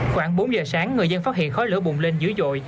khoảng bốn giờ sáng người dân phát hiện khói lửa bụng lên dưới dội